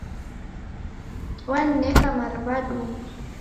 Wanineka mariw'a duu.